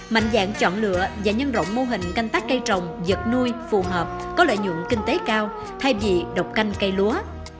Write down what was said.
mạnh dạng chọn lựa và nhân rộng mô hình canh tác cây trồng vật nuôi phù hợp có lợi nhuận kinh tế cao thay vì độc canh cây lúa